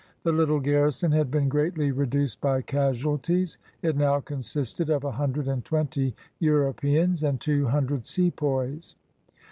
The little garrison had been greatly reduced by casualties. It now consisted of a hundred and twenty Europeans and two hundred sepoys.